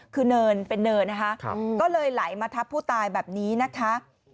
คือเนินเป็นเนินนะคะก็เลยไหลมาทับผู้ตายแบบนี้นะคะ